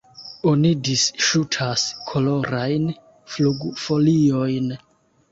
Oni disŝutas kolorajn flugfoliojn.